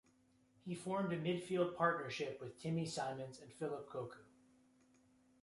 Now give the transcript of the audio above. He formed a midfield partnership with Timmy Simons and Phillip Cocu.